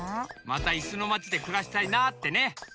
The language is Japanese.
またいすのまちでくらしたいなってね。